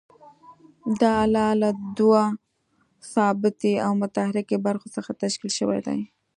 دا آله له دوو ثابتې او متحرکې برخو څخه تشکیل شوې ده.